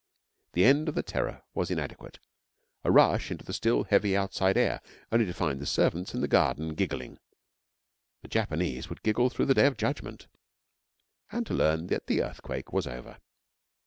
The end of the terror was inadequate a rush into the still, heavy outside air, only to find the servants in the garden giggling (the Japanese would giggle through the Day of Judgment) and to learn that the earthquake was over.